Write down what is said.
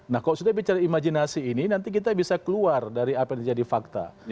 nah kalau sudah bicara imajinasi ini nanti kita bisa keluar dari apa yang jadi fakta